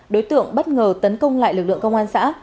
đối tượng bất ngờ tấn công lại lực lượng công an xã